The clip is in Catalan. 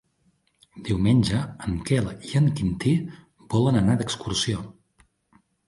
Diumenge en Quel i en Quintí volen anar d'excursió.